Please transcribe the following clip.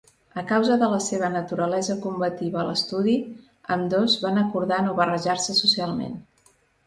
A causa de la seva naturalesa combativa a l'estudi, ambdós van acordar no barrejar-se socialment.